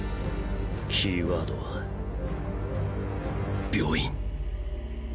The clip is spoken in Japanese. キーワードは病院